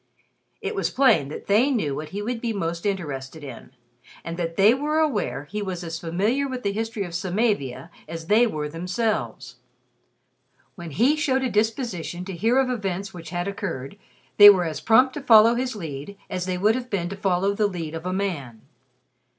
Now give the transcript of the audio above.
It was plain that they knew what he would be most interested in, and that they were aware he was as familiar with the history of Samavia as they were themselves. When he showed a disposition to hear of events which had occurred, they were as prompt to follow his lead as they would have been to follow the lead of a man.